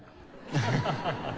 ハハハハ！